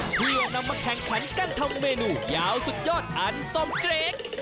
เพื่อนำมาแข่งขันการทำเมนูยาวสุดยอดทานซ่อมเจรค